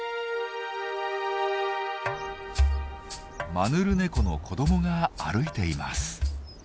マヌルネコの子どもが歩いています。